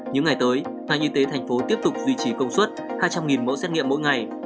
những ngày tới ngành y tế thành phố tiếp tục duy trì công suất hai trăm linh mẫu xét nghiệm mỗi ngày